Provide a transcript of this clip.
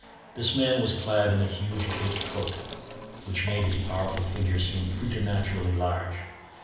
This man was clad in a huge caped coat, which made his powerful figure seem preternaturally large.